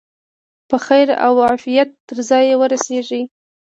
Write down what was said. په خیر او عافیت تر ځایه ورسیږي.